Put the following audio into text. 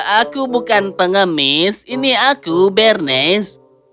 aku bukan pengemis ini aku bernes